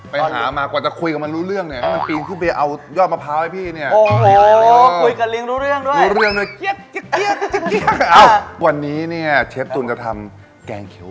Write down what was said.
ไปหามากว่าจะคุยกับมันรู้เรื่องเนี่ย